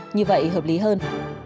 như vậy hợp lý hơn